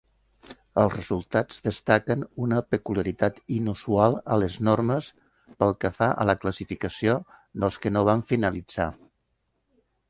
Els resultats destaquen una peculiaritat inusual a les normes pel que fa a la classificació dels que no van finalitzar.